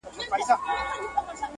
کله چې څوک د کندهار بد ووايي